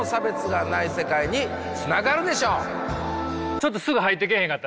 ちょっとすぐ入ってけえへんかったな。